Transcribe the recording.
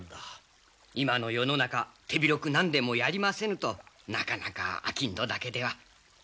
今の世の中手広く何でもやりませぬとなかなか商人だけでは。